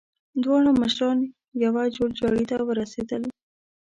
دواړه مشران يوه جوړجاړي ته ورسېدل.